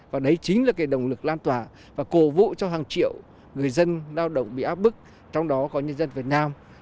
và đấy chính là cái động lực lan tỏa và cố vụ cho hàng triệu người dân lao động bị áp bức trong đó có nhân dân việt nam